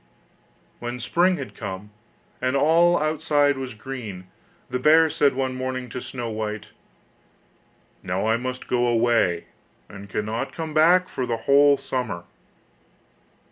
When spring had come and all outside was green, the bear said one morning to Snow white: 'Now I must go away, and cannot come back for the whole summer.